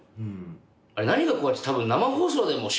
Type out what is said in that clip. あれ何が怖いって多分。